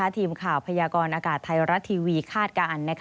ทีมข่าวพยากรอากาศไทยรัฐทีวีคาดการณ์